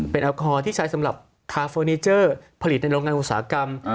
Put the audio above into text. เป็นแอลกอฮอลที่ใช้สำหรับทาเฟอร์นิเจอร์ผลิตในโรงงานอุตสาหกรรม